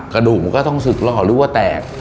กระดูกมันก็ต้องศึกหล่อหรือว่าแตก